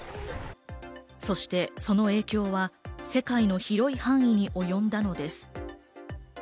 そして、その影響は世界の広い範囲におよんだのです。